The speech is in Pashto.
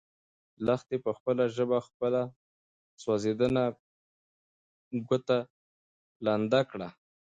لښتې په خپله ژبه خپله سوځېدلې ګوته لنده کړه.